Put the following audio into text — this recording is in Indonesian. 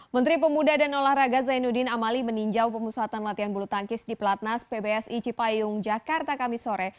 menteri pemuda dan olahraga zainuddin amali meninjau pemusatan latihan bulu tangkis di pelatnas pbsi cipayung jakarta kami sore